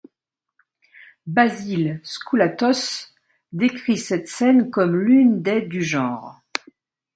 Basile Skoulatos décrit cette scène comme l'une des du genre.